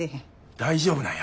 大丈夫なんや。